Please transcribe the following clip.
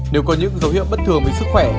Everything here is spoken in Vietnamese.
nếu có những dấu hiệu bất thường về sức khỏe